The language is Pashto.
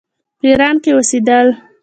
په ایران کې اوسېدل.